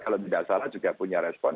kalau tidak salah juga punya respon